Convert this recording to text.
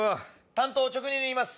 単刀直入に言います。